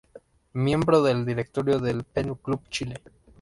Miembro del directorio del Pen Club Chile.